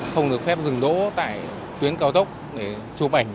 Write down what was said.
không được phép dừng đỗ tại tuyến cao tốc để chụp ảnh